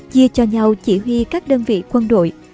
chia cho nhau chỉ huy các đơn vị quân đội